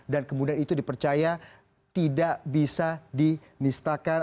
dan kemudian itu dipercaya tidak bisa dinistakan